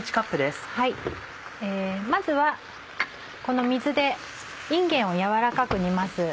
まずはこの水でいんげんを軟らかく煮ます。